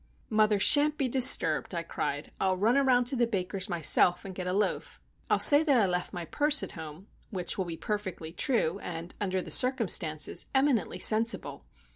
"Mother shan't be disturbed," I cried. "I'll run around to the baker's, myself, and get a loaf. I'll say that I left my purse at home (which will be perfectly true, and, under the circumstances, eminently sensible!)